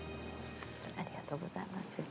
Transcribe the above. ありがとうございます先生。